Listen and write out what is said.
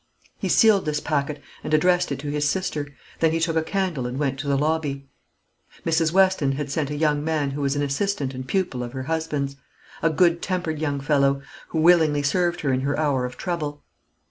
He sealed this packet, and addressed it to his sister; then he took a candle, and went to the lobby. Mrs. Weston had sent a young man who was an assistant and pupil of her husband's a good tempered young fellow, who willingly served her in her hour of trouble.